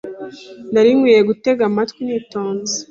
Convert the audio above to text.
Nari nkwiye gutega amatwi nitonze.